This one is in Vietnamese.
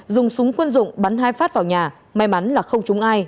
dùng súng quân dụng bắn hai phát vào nhà may mắn là không trúng ai